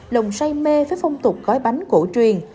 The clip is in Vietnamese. lồng say mê với phong tục gói bánh cổ truyền